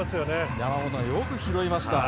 山本よく拾いました。